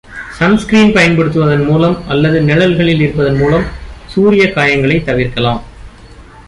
Sunscreen பயன்படுத்துவதன் மூலம் அல்லது நிழல்களில் இருப்பதன் மூலம் சூரியகாய்ங்களைத் தவிர்க்கலாம்.